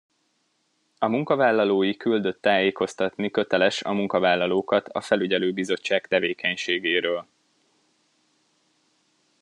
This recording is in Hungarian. A munkavállalói küldött tájékoztatni köteles a munkavállalókat a felügyelőbizottság tevékenységéről.